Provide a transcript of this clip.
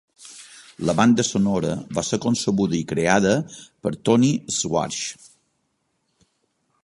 La banda sonora va ser concebuda i creada per Tony Schwartz.